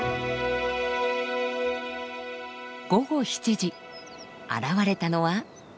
午後７時現れたのは。